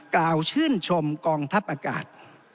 กล่าวชื่นชมกองทัพอากาศ